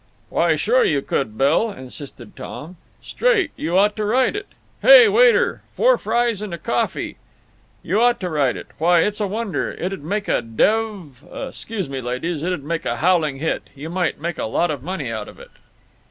"Why, sure you could, Bill," insisted Tom. "Straight; you ought to write it. (Hey, waiter! Four fries and coffee!) You ought to write it. Why, it's a wonder; it 'd make a dev— 'Scuse me, ladies. It'd make a howling hit. You might make a lot of money out of it."